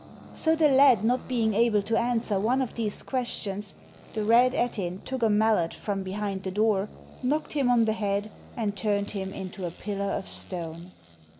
So the lad not being able to answer one of these questions, the Red Ettin took a mallet from behind the door, knocked him on the head, and turned him into a pillar of stone.